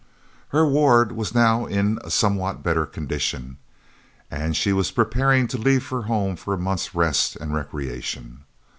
Her ward was now in a somewhat better condition, and she was preparing to leave for home for a month's rest and recreation.